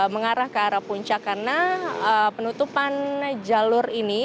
mengarah ke arah puncak karena penutupan jalur ini